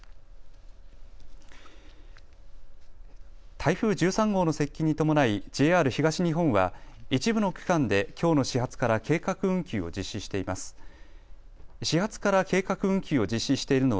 台風１３号の接近に伴いＪＲ東日本は一部の区間できょうの始発から計画運休を実施しています。